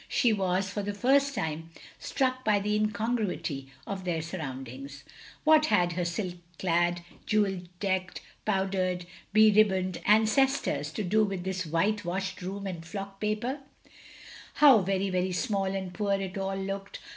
She was for the first time struck by the incongruity of their surroundings. What had her silk clad, jewel decked, powdered, beribboned ancestors to do with this white washed room and flock paper? OF GROSVENOR SQUARE 147 How very, very small and poor it all looked!